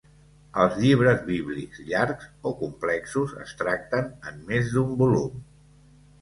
Els llibres bíblics llargs o complexos es tracten en més d'un volum.